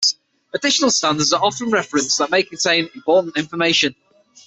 Additional standards are often referenced that may contain important information.